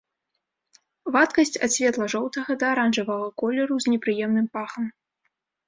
Вадкасць ад светла-жоўтага да аранжавага колеру з непрыемным пахам.